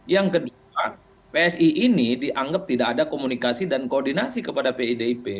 yang kedua psi ini dianggap tidak ada komunikasi dan koordinasi kepada pdip